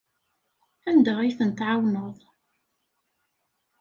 Anda ay tent-tɛawneḍ?